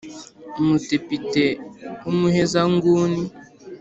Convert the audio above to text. umudepite w’ umuhezanguni